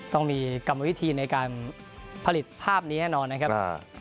ต้องมีกรรมวิธีในการผลิตภาพนี้แน่นอนนะครับ